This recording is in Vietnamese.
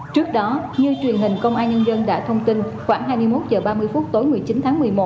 trước đó như truyền hình công an nhân dân đã thông tin khoảng hai mươi một h ba mươi phút tối một mươi chín tháng một mươi một